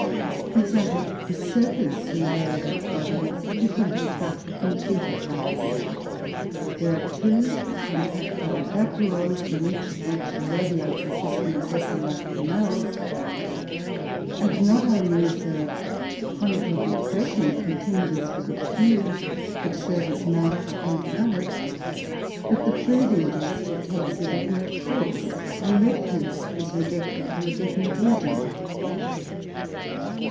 For example, the surface layer of its body is different in structure from the deeper parts. There are two contractile vacuoles, from each of which radiates a system of vessel like canals; and not only is there a conical depression continuous with a tube, which serve as mouth and gullet, but the food ingested takes a definite course, and refuse is rejected from a definite region.